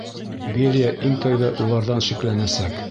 Берия иң тәүҙә уларҙан шикләнәсәк.